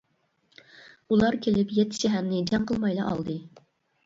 ئۇلار كېلىپ يەتتە شەھەرنى جەڭ قىلمايلا ئالدى.